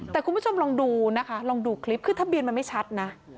แต่คุณผู้ชมลองดูนะคะลองดูคลิปคือทะเบียนมันไม่ชัดนะ